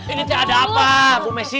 ini tiada apa bu messi